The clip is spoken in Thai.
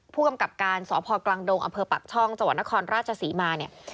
ผู้กำกัดการสกลางดงอปักช่องจนครราชศรีมาเนี่ย